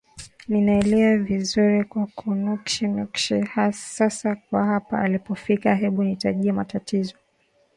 linaelea vizuri tu Kwa nakshi nakshi Sasa kwa hapa ulipofika hebu nitajie matatizo